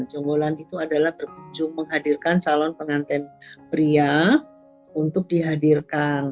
jonggolan itu adalah berkunjung menghadirkan calon pengantin pria untuk dihadirkan